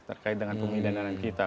terkait dengan pemindahan kita